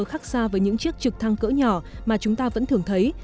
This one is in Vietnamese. khác xa với những chiếc trực thăng cỡ nhỏ mà chúng ta vẫn thường thấy